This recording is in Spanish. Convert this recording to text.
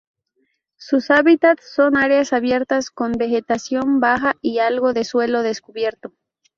Sus hábitats son áreas abiertas con vegetación baja y algo de suelo descubierto.